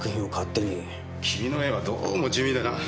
君の絵はどうも地味でな。